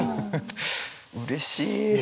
うれしい。